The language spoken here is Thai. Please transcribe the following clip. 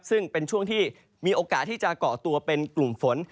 ซึ่งเป็นช่วงที่มีโอกาสที่จะเกาะตัวเป็นกลุ่มฝน